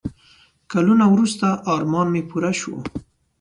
کلونه وروسته ارمان مې پوره شو.